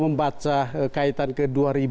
membaca kaitan ke dua ribu